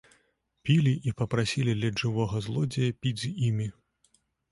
Пілі і папрасілі ледзь жывога злодзея піць з імі.